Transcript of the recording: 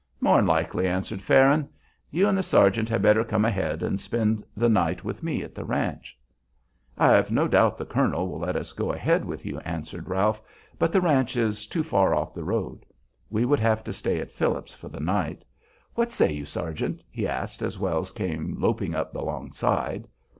"More'n likely," answered Farron. "You and the sergeant had better come ahead and spend the night with me at the ranch." "I've no doubt the colonel will let us go ahead with you," answered Ralph, "but the ranch is too far off the road. We would have to stay at Phillips's for the night. What say you, sergeant?" he asked, as Wells came loping up alongside.